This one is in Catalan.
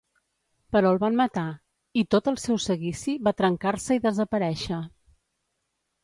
Però el van matar i tot el seu seguici va trencar-se i desaparèixer.